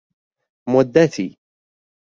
مدتی